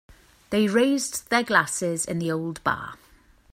They raised their glasses in the old bar.